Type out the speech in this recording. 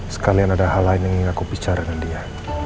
sekalian ada hal lain yang ingin aku bicara dengan dia